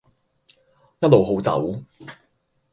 一路好走